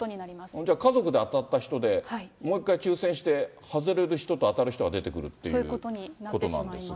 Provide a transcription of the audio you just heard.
じゃあ、家族で当たった人で、もう一回抽せんして、外れる人と当たる人が出てくるということになると思うんですが。